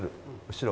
後ろ。